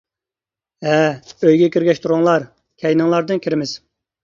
-ھە، ئۆيگە كىرگەچ تۇرۇڭلار، كەينىڭلاردىن كىرىمىز.